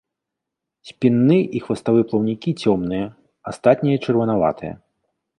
Спінны і хваставы плаўнікі цёмныя, астатнія чырванаватыя.